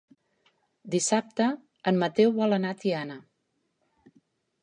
Dissabte en Mateu vol anar a Tiana.